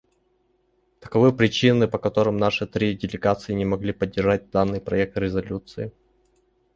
Таковы причины, по которым наши три делегации не могли поддержать данный проект резолюции.